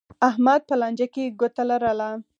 احمد په لانجه کې ګوته لرله.